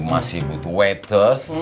dia masih butuh waiters